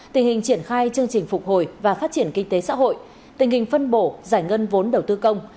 tình hình triển khai chương trình phục hồi và phát triển kinh tế xã hội tình hình phân bổ giải ngân vốn đầu tư công